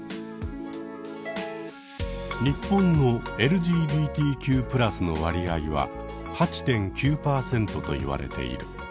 日本のＬＧＢＴＱ＋の割合は８．９％といわれている。